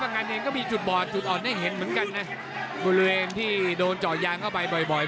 ก็มีจุดอ่อนได้เห็นเหมือนกันนะ